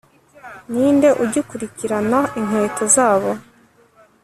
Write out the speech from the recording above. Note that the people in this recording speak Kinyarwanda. ninde ugikurikirana inkweto zabo